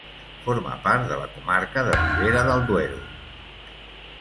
Forma part de la comarca de Ribera del Duero.